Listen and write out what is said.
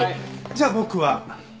じゃあ僕は。